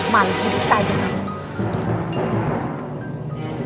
malu budek saja kamu